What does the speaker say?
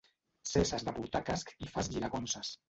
Cesses de portar casc i fas giragonses.